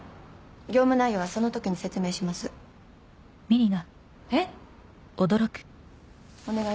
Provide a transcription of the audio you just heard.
業務内容はそのときに説明しますえっ？